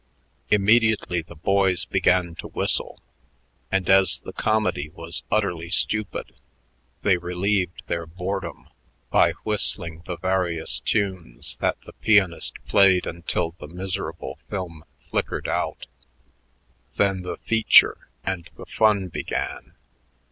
Immediately the boys began to whistle, and as the comedy was utterly stupid, they relieved their boredom by whistling the various tunes that the pianist played until the miserable film flickered out. Then the "feature" and the fun began.